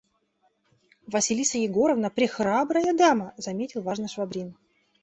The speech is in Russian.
– Василиса Егоровна прехрабрая дама, – заметил важно Швабрин.